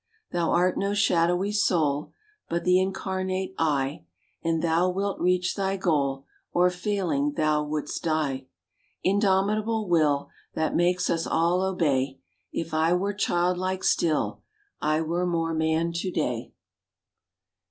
Thou art no shadowy soul, But the incarnate "I", And thou wilt reach thy goal, Or failing, thou wouldst die. Indomitable will That makes us all obey, If I were childlike still, I were more man to day.